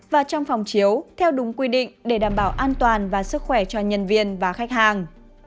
và trong phòng chiếu theo đúng quy định để đảm bảo an toàn và sức khỏe cho nhân viên và khách hàng